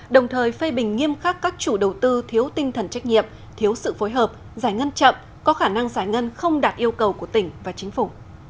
đồng thời phê bình nghiêm khắc các chủ đầu tư thiếu tinh thần trách nhiệm thiếu sự phối hợp giải ngân chậm có khả năng giải ngân không đạt yêu cầu của tỉnh và chính phủ